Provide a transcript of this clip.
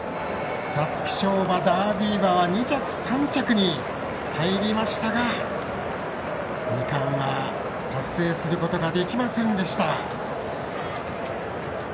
皐月賞馬、ダービー馬は２着、３着に入りましたが二冠は達成することはできませんでした。